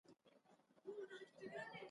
په ذهن کې ویده نبوغ یې راویښ شو